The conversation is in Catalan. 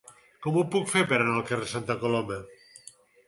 Com ho puc fer per anar al carrer de Santa Coloma?